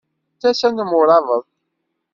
D tasa n umṛabeḍ!